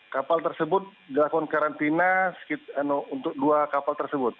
kapal tersebut dilakukan karantina untuk dua kapal tersebut